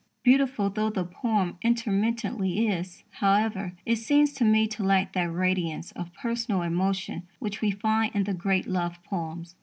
Beautiful though the poem intermittently is, however, it seems to me to lack that radiance of personal emotion which we find in the great love poems.